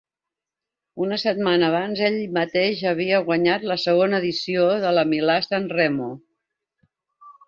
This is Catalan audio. Una setmana abans ell mateix havia guanyat la segona edició de la Milà-Sanremo.